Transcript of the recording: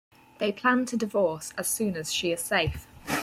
They plan to divorce as soon as she is safe.